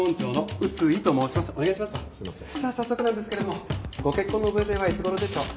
さあ早速なんですけれどもご結婚のご予定はいつごろでしょう？